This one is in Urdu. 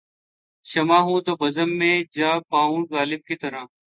شمع ہوں‘ تو بزم میں جا پاؤں غالب کی طرح